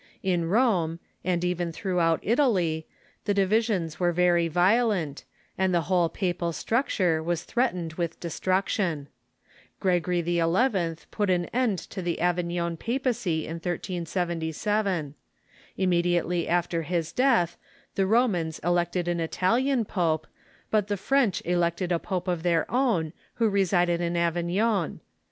In Rome, and even throughout Italy, the divisions were very violent, and the whole papal structure was threat „ u. r, cned with destruction. Gregory XI. put an end to Double Papacy ,...^"^^'^^. the Avignon papacy \n 1 377. Immediately after his death the Romans elected an Italian pope, but the French elected a pope of their own, who resided in Avignon.